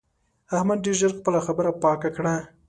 احمد ډېر ژر خپله خبره پاکه کړه.